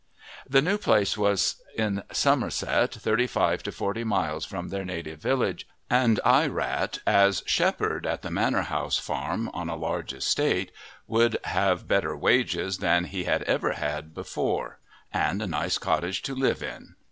The new place was in Somerset, thirty five to forty miles from their native village, and Ierat as shepherd at the manor house farm on a large estate would have better wages than he had ever had before and a nice cottage to live in.